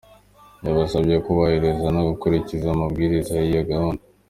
Yabasabye kubahiriza no gukurikiza amabwiriza y’iyo gahunda.